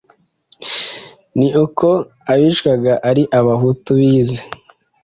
ni uko abicwaga ari abahutu bize.